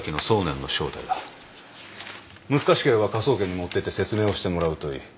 難しければ科捜研に持ってって説明をしてもらうといい。